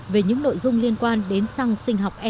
về những nội dung liên quan đến xăng sinh học e